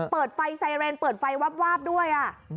เปิดไฟไซเรนเปิดไฟวาบด้วย